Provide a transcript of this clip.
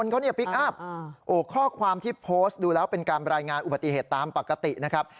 ข้อความที่โพสต์ดูแล้วเป็นการรายงานอุบัติเหตุตามปกตินะครับ